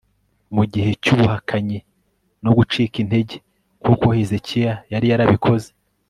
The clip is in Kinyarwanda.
mu gihe cy'ubuhakanyi no gucika integer nk'uko hezekiya yari yarabikoze